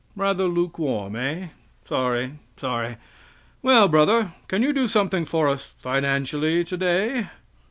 Rather lukewarm, eh? Sorry, sorry. Well, brother, can you do something for us financially, today?